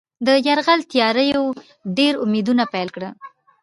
د یرغل تیاریو ډېر امیدونه پیدا کړل.